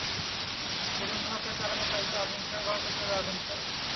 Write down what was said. বলুন লোহাকে চালাতে চাইলেও আগুন চাই, গলাতে চাইলেও আগুন চাই!